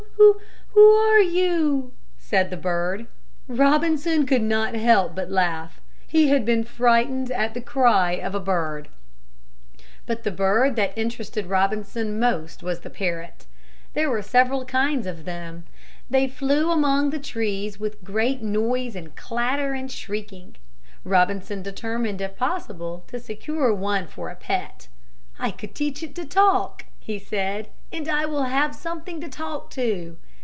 "Who, who, who are you?" said the bird. Robinson could not help but laugh. He had been frightened at the cry of a bird. But the bird that interested Robinson most was the parrot. There were several kinds of them. They flew among the trees with great noise and clatter and shrieking. Robinson determined if possible to secure one for a pet. "I can teach it to talk," he said, "and I will have something to talk to."